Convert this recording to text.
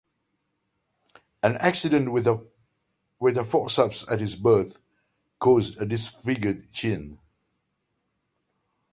An accident with a forceps at his birth caused a disfigured chin.